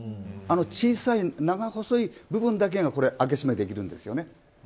小さい、長細い部分だけが開け閉めできるんです。